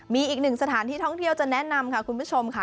มีอีกหนึ่งสถานที่ท่องเที่ยวจะแนะนำค่ะคุณผู้ชมค่ะ